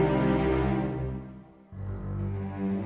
aku mau ke rumah